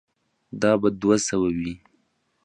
دا به دوه سوه وي.